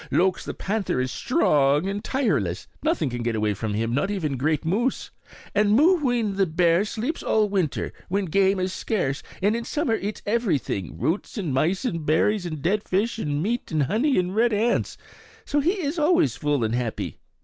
Lhoks the panther is strong and tireless; nothing can get away from him, not even the great moose. And Mooween the bear sleeps all winter, when game is scarce, and in summer eats everything, roots and mice and berries and dead fish and meat and honey and red ants. So he is always full and happy.